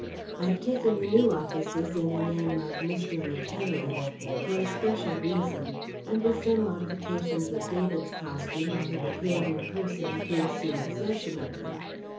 I have taken the new offices in the name of Mr. Michaelis for a special reason; and with some modifications of David's costume I have appeared in person to assume possession of them.